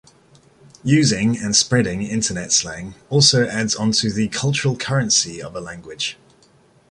Using and spreading Internet slang also adds onto the cultural currency of a language.